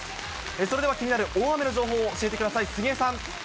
それでは気になる大雨の情報を教えてください。